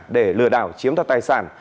để lừa đảo chiếm thật tài sản